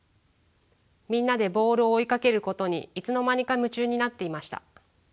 みんなでボールを追いかけることにいつの間にか夢中になっていました。